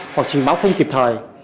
hoặc trình báo không kịp thời